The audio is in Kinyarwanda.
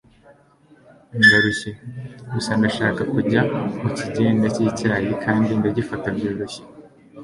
ndarushye. gusa ndashaka kujya mukigenda cyicyayi kandi nkagifata byoroshye